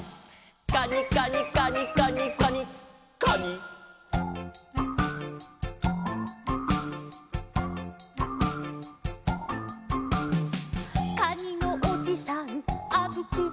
「カニカニカニカニカニカニ」「かにのおじさんあぶくブクブク」